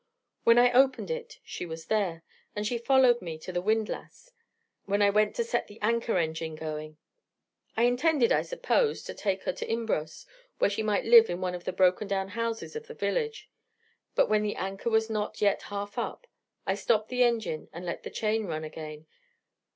When I opened it, she was there, and she followed me to the windlass, when I went to set the anchor engine going. I intended, I suppose, to take her to Imbros, where she might live in one of the broken down houses of the village. But when the anchor was not yet half up, I stopped the engine, and let the chain run again.